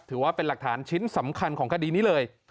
ถือว่าเป็นหลักฐานชิ้นสำคัญของคดีนี้เลย